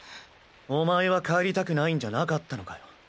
お前は帰りたくないんじゃなかったのかよ。